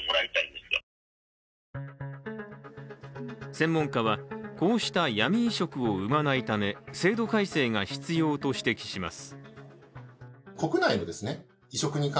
専門家は、こうした闇移植を生まないため制度改正が必要と指摘します。